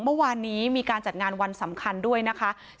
เมื่อวานนี้มีการจัดงานวันสำคัญด้วยนะคะ